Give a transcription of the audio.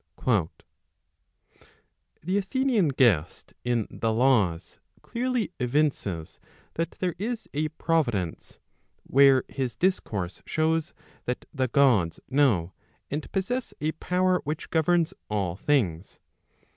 " The Athenian guest in the Laws clearly evinces that there is a provi¬ dence, where his discourse shows that the Gods know, and possess a power which governs, all things.